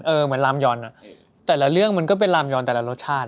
เหมือนลามยอนแต่ละเรื่องมันก็เป็นลามยอนแต่ละรสชาติ